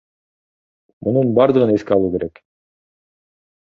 Мунун бардыгын эске алуу керек.